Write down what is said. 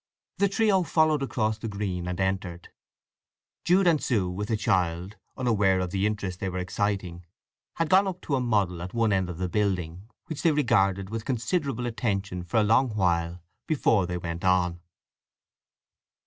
The trio followed across the green and entered. Jude and Sue, with the child, unaware of the interest they were exciting, had gone up to a model at one end of the building, which they regarded with considerable attention for a long while before they went on.